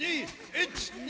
１２！